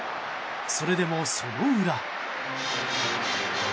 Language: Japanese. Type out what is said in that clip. それでも、その裏。